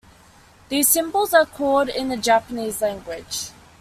These symbols are called in the Japanese language.